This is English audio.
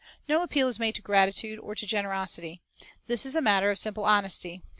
No appeal is made to gratitude or to generosity. This is a matter of simple honesty. The 'Mark 13:34 2 i Cor.